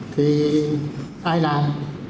thì ai làm